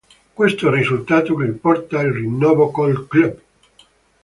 Questo risultato gli porta il rinnovo col club.